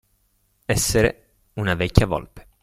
Essere una vecchia volpe.